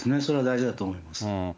それが大事だと思います。